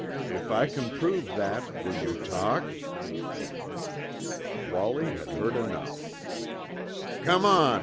If I can prove that, will you talk?" Wallie had heard enough. "Come on!"